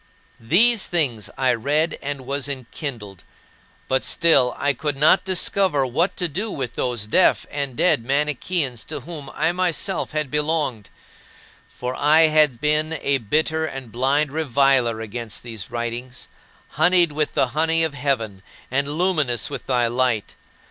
These things I read and was enkindled but still I could not discover what to do with those deaf and dead Manicheans to whom I myself had belonged; for I had been a bitter and blind reviler against these writings, honeyed with the honey of heaven and luminous with thy light.